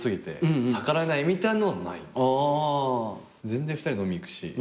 全然２人で飲み行くし。